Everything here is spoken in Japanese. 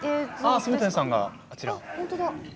染谷さんが、こちら。